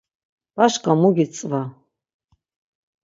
Başǩa mu gitzva?